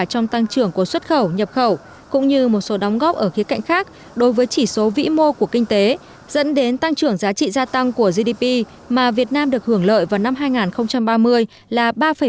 trong tăng trưởng của xuất khẩu nhập khẩu cũng như một số đóng góp ở khía cạnh khác đối với chỉ số vĩ mô của kinh tế dẫn đến tăng trưởng giá trị gia tăng của gdp mà việt nam được hưởng lợi vào năm hai nghìn ba mươi là ba bảy